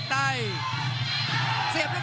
คมทุกลูกจริงครับโอ้โห